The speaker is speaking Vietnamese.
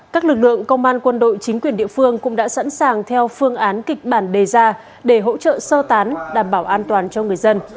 các lực lượng công an quân đội chính quyền địa phương cũng đã sẵn sàng theo phương án kịch bản đề ra để hỗ trợ sơ tán đảm bảo an toàn cho người dân